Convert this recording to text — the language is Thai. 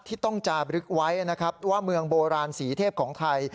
ที่ต้องจาบลึกไว้นะครับว่าเมืองโบราณสีเทพของไทย